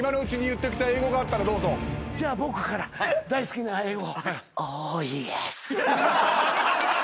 じゃあ僕から大好きな英語。